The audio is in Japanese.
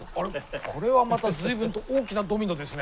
これはまた随分と大きなドミノですね。